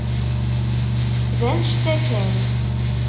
D anect-a kan.